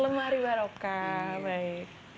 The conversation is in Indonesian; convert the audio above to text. lemari baroka baik